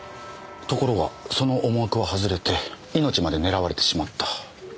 ところがその思惑は外れて命まで狙われてしまった。